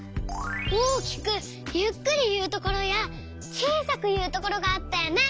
大きくゆっくりいうところやちいさくいうところがあったよね。